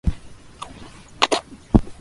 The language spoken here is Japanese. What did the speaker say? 古池や蛙飛び込む水の音